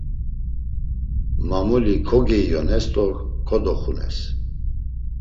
Mamuli kogeiones do kodoxunes.